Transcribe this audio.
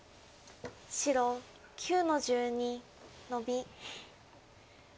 白９の十二ノビ。